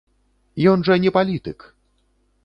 Ён жа не палітык!